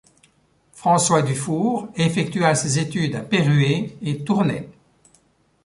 François Dufour effectua ses études à Péruwelz et Tournai.